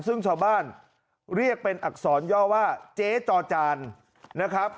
ซึ่งชาวบ้านเรียกเป็นอักษรย่อว่าเจ๊จอจานนะครับ